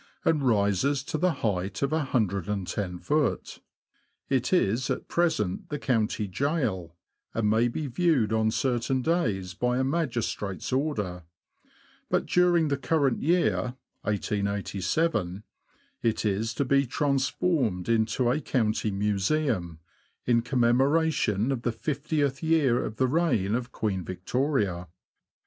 and rises to the height of iioft. It is at present the county gaol, and may be viewed on certain days by a magistrate's order ; but during the current year (1887) it is to be transformed into a county museum, in commemoration of the fiftieth year of the reign of Queen Victoria.